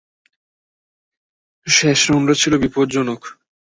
শেষ রাউন্ডটা ছিল বিপজ্জনক!